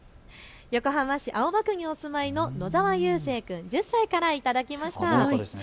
横浜市青葉区にお住まいののざわゆうせい君１０歳から頂きました。